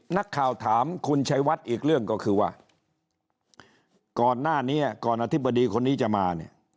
นักข่าวถามคุณชัยวัดอีกเรื่องก็คือว่าก่อนหน้านี้ก่อนอธิบดีคนนี้จะมาเนี่ย